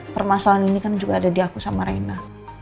permasalahan ini kan juga ada di aku sama reina